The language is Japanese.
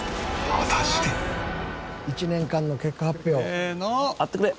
「１年間の結果発表」「あってくれ」